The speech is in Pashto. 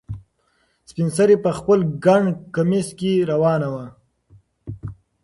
سپین سرې په خپل ګڼ کمیس کې روانه وه.